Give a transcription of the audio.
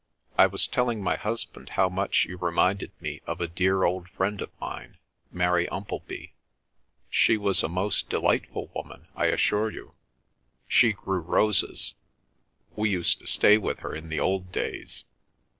I was telling my husband how much you reminded me of a dear old friend of mine—Mary Umpleby. She was a most delightful woman, I assure you. She grew roses. We used to stay with her in the old days."